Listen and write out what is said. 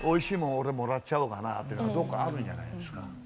俺もらっちゃおうかな」というのがどっかあるんじゃないですか。